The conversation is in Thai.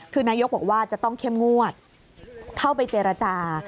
คือนายกรัฐมนตรีนี่บอกว่าจะต้องเข้มงวดเข้าไปเจรจา